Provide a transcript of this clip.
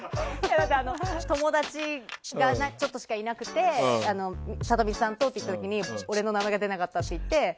友達がちょっとしかいなくってサトミツさんとって言った時に俺の名前が出なかったって。